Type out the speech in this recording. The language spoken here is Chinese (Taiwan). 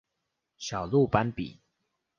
小鹿斑比